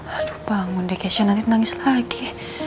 aduh bangun deh keknya nanti nangis lagi